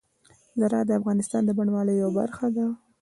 زراعت د افغانستان د بڼوالۍ یوه برخه ده.